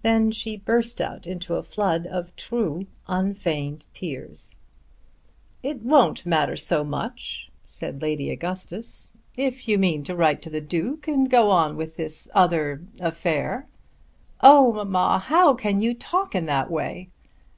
Then she burst out into a flood of true unfeigned tears. "It won't matter so much," said Lady Augustus, "if you mean to write to the Duke, and go on with this other affair." "Oh, mamma, how can you talk in that way?"